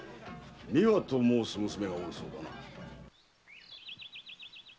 美和と申す娘がおるそうだな？